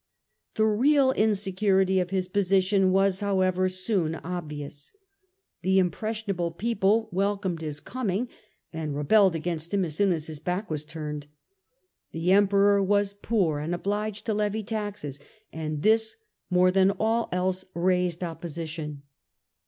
The real insecurity of his position was, however, soon obvious. The impressionable people welcomed his coming and rebelled against him as soon as his back was turned. The Emperor was poor and obliged to levy taxes, and this more than all else raised opposition.